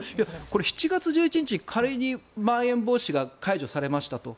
７月１１日に仮にまん延防止が解除されましたと。